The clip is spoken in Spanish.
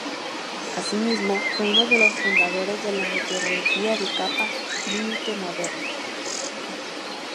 Asimismo, fue uno de los fundadores de la meteorología de capa límite moderna.